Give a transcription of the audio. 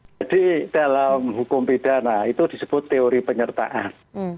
jadi dalam hukum pidana itu disebut teori penyertaan